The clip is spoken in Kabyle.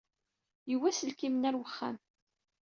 Yewwi aselkim-nni ɣer uxxam.